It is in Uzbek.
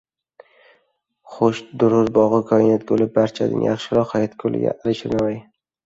Xush durur bog‘u koinot guli, Barchadin yaxshiroq hayot guli. Alisher Navoiy